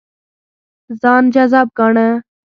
ځان جذاب ګاڼه.